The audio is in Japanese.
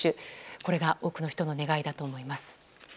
これが多くの人の願いだと思います。